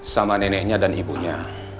sama neneknya dan ibunya